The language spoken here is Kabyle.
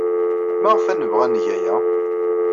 Maɣef ad nebɣu ad neg aya?